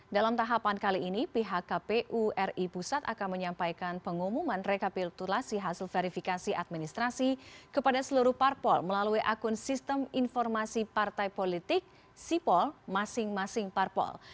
dalam tahapan kali ini pihak kpu ri pusat akan menyampaikan pengumuman rekapitulasi hasil verifikasi administrasi kepada seluruh parpol melalui akun sistem informasi partai politik sipol masing masing parpol